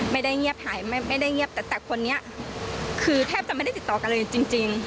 ไม่ได้เงียบหายไม่ได้เงียบแต่แต่คนนี้คือแทบจะไม่ได้ติดต่อกันเลยจริง